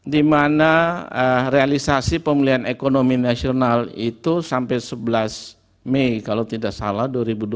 di mana realisasi pemulihan ekonomi nasional itu sampai sebelas mei kalau tidak salah dua ribu dua puluh